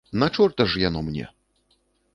На чорта ж яно мне?